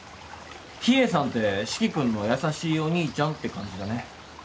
秘影さんって四鬼君の優しいお兄ちゃんって感じだね。